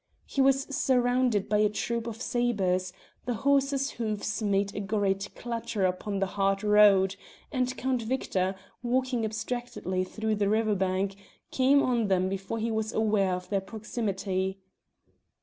He was surrounded by a troop of sabres; the horses' hoofs made a great clatter upon the hard road, and Count Victor, walking abstractedly along the river bank, came on them before he was aware of their proximity.